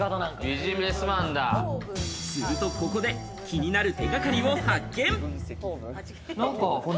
すると、ここで気になる手掛かりを発見。